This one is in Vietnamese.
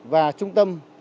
và trung tâm